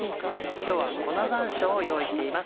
今日は粉山椒を用意しています。